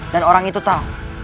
dan orang itu tahu